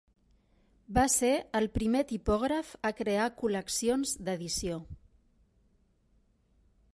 Va ser el primer tipògraf a crear col·leccions d'edició.